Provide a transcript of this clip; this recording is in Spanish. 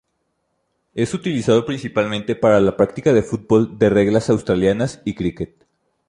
Es utilizado principalmente para la práctica del fútbol de reglas australianas y cricket.